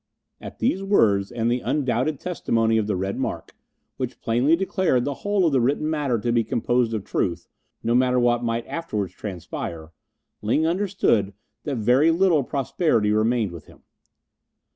At these words and the undoubted testimony of the red mark, which plainly declared the whole of the written matter to be composed of truth, no matter what might afterwards transpire, Ling understood that very little prosperity remained with him.